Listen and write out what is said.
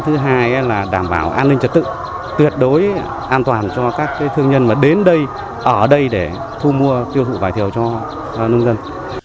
thứ hai là đảm bảo an ninh trật tự tuyệt đối an toàn cho các thương nhân mà đến đây ở đây để thu mua tiêu thụ vải thiều cho nông dân